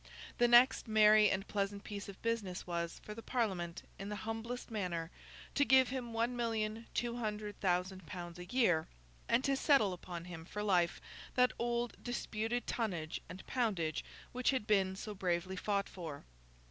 The next merry and pleasant piece of business was, for the Parliament, in the humblest manner, to give him one million two hundred thousand pounds a year, and to settle upon him for life that old disputed tonnage and poundage which had been so bravely fought for.